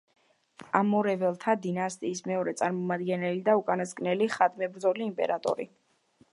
ამორეველთა დინასტიის მეორე წარმომადგენელი და უკანასკნელი ხატმებრძოლი იმპერატორი.